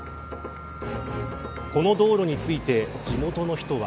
この道路について地元の人は。